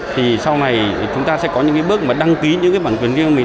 thì sau này chúng ta sẽ có những cái bước mà đăng ký những cái bản quyền riêng mình